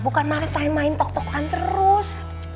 bukan maretan yang main tok tokan terus